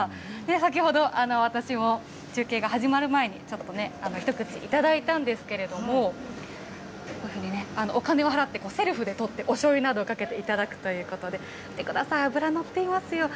先ほど私も中継が始まる前に、ちょっとね、一口頂いたんですけれども、お金を払ってセルフで取って、おしょうゆなどをかけて頂くということで、見てください、脂乗ってますよ。